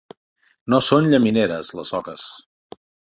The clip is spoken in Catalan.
No són llamineres les oques.